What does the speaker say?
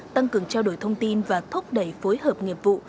tăng cường trao đổi thông tin và thúc đẩy phối hợp nghiệp vụ